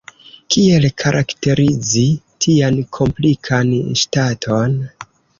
Kiel karakterizi tian komplikan ŝtaton?